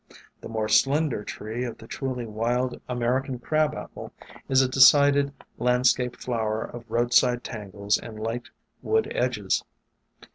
The more slender tree of the truly Wild American Crab Apple is a decided landscape flower of roadside tangles and light wood edges.